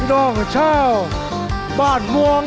น้องชาวบ้านมวง